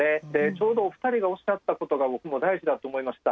ちょうどお二人がおっしゃったことが僕も大事だと思いました。